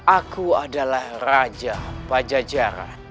aku adalah raja pajajaran